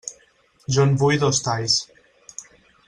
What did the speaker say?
Jo en vull dos talls.